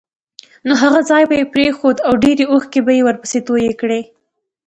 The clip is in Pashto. نو هغه ځای به یې پرېښود او ډېرې اوښکې به یې ورپسې تویې کړې.